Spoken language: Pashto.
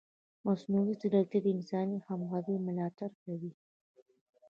مصنوعي ځیرکتیا د انساني همغږۍ ملاتړ کوي.